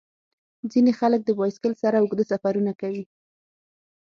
ځینې خلک د بایسکل سره اوږده سفرونه کوي.